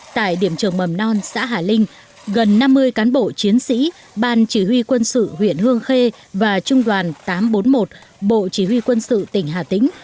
tại điểm trường mầm non xã hà linh gần năm mươi cán bộ chiến sĩ ban chỉ huy quân sự huyện hương khê và trung đoàn tám trăm bốn mươi một bộ chỉ huy quân sự tỉnh hà tĩnh